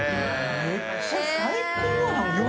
めっちゃ最高やんこれ。